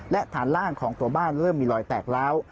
และฐานล่างของตัวบ้านเริ่มมีรอยแตกร้าว